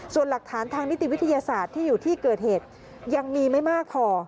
ส่วนหลักฐานทางนิติวิทยาศาสตร์ที่อยู่ที่เกิดเหตุยังมีไม่มากพอ